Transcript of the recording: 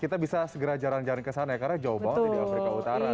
kita bisa segera jalan jalan kesana ya karena jauh banget di afrika utara